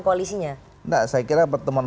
koalisinya nah saya kira pertemuan